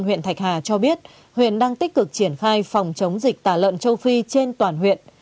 huyện thạch hà cho biết huyện đang tích cực triển khai phòng chống dịch tả lợn châu phi trên toàn huyện